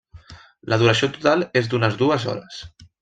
La duració total és d'unes dues hores.